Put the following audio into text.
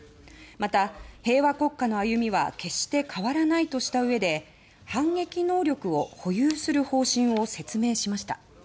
また、平和国家の歩みは決して変わらないとしたうえで反撃能力を保有する方針を説明しました。